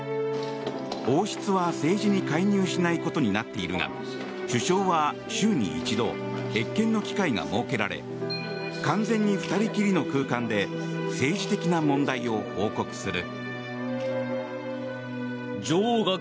王室は政治に介入しないことになっているが首相は週に一度謁見の機会が設けられ完全に２人きりの空間で政治的な問題を報告する。